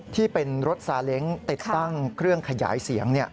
ที่เป็นรถซาเล้งติดตั้งเครื่องขยายเสียง